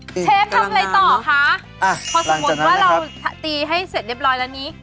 เชฟทำอะไรต่อคะพอสมมติว่าเราตีให้เสร็จเรียบร้อยแล้วนี้